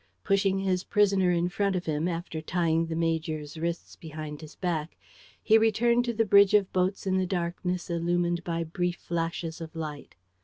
Pushing his prisoner in front of him, after tying the major's wrists behind his back, he returned to the bridge of boats in the darkness illumined by brief flashes of light.